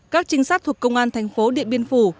các trinh sát thuộc công an tp điện biên phủ